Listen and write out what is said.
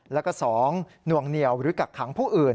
แล้วก็๒นวงเหนียวหรือกักขังผู้อื่น